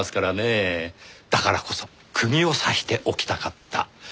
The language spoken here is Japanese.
だからこそ釘を刺しておきたかった。